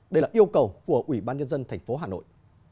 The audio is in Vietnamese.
đây là yêu cầu của ủy ban nhân dân tp hà nội